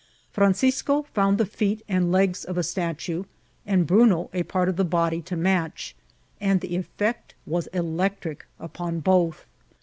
Francisco found the feet and legs of a statue, and Bruno a part of the body to match^ and the effect was electric upon both.